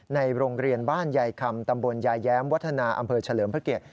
ในโรงเรียนบ้านยายคำตำบลยายแย้มวัฒนาอำเภอเฉลิมพระเกียรติ